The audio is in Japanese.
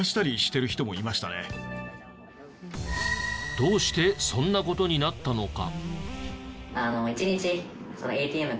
どうしてそんな事になったのか？